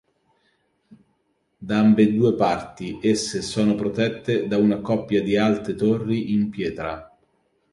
Da ambedue parti esse sono protette da una coppia di alte torri in pietra.